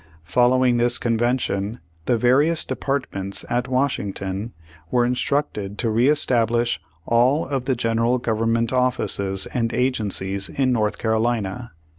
Following this convention the various departments at Washington were in structed to re establish all of the General Govern ment offices and agencies in North Carolina.